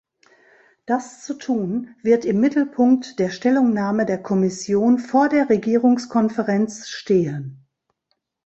Das zu tun, wird im Mittelpunkt der Stellungnahme der Kommission vor der Regierungskonferenz stehen.